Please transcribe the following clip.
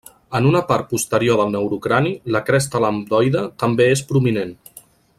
En una part posterior del neurocrani, la cresta lambdoide també és prominent.